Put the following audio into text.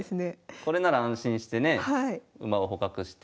これなら安心してね馬を捕獲して。